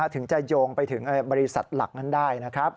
ถึงจะโยงไปถึงบริษัทหลักนั้นได้นะครับ